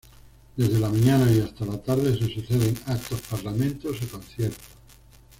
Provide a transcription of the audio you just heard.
Desde la mañana y hasta la tarde se suceden actos, parlamentos y conciertos.